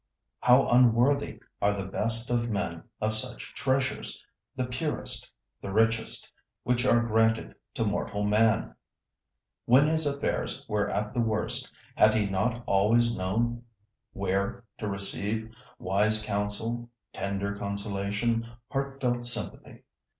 How unworthy are the best of men of such treasures—the purest, the richest, which are granted to mortal man! When his affairs were at the worst, had he not always known where to receive wise counsel, tender consolation, heartfelt sympathy?